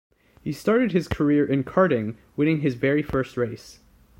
He started his career in karting, winning his very first race.